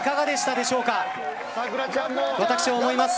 私思います。